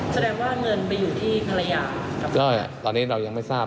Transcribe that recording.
แสดงว่าเงินไปอยู่ที่ภรรยากับย่อยตอนนี้เรายังไม่ทราบ